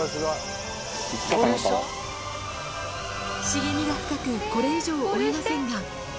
茂みが深く、これ以上追えませんが。